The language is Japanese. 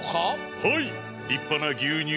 はい。